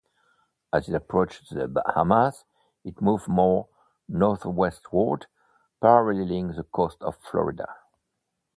As it approached the Bahamas, it moved more northwestward, paralleling the coast of Florida.